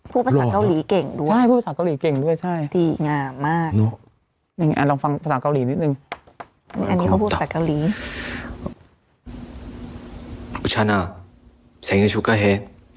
พูดภาษาเกาหลีเก่งด้วยดีหงามมาก